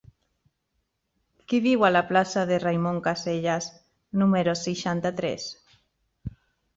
Qui viu a la plaça de Raimon Casellas número seixanta-tres?